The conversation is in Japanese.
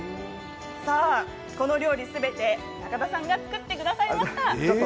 この料理全て、中田さんが作ってくださいました。